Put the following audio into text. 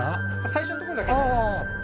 最初のとこだけで。